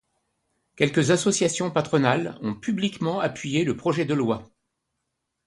Quelques associations patronales ont publiquement appuyé le projet de loi.